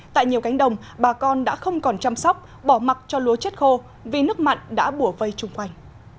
tại nhiều cánh đồng bà con đã không còn chăm sóc bỏ mặc cho lúa chết khô vì nước mặn đã bùa vây chung quanh